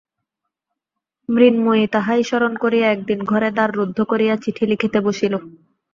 মৃন্ময়ী তাহাই স্মরণ করিয়া একদিন ঘরে দ্বার রুদ্ধ করিয়া চিঠি লিখিতে বসিল।